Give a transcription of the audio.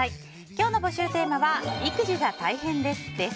今日の募集テーマは育児が大変です！です。